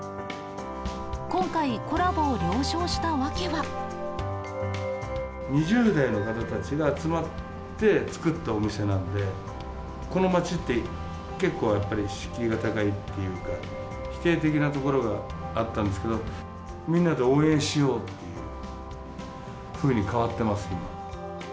今回、２０代の方たちが集まって作ったお店なんで、この街って結構やっぱり敷居が高いっていうか、否定的なところがあったんですけど、みんなで応援しようっていうふうに変わってます、今。